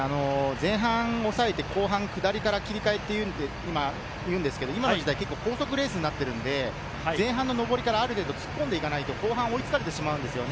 前半抑えて、後半下りから切り替えというんですけど、今の時代、高速レースになっているので、前半の上りからある程度突っ込んで行かないと後半追いつかれてしまうんですよね。